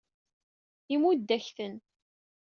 Imudd-ak-ten.